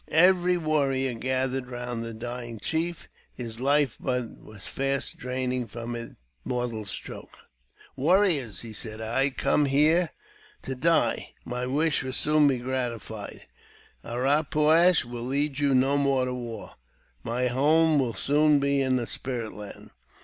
Every warrior gathere< round the dying chief ; his Ufe blood was fast draining from hi mortal stroke. " Warriors," he said, " I came here to die. My wish wi soon be gratified. A ra poo ash will lead you no more to wai My home will soon be in the Spirit Land.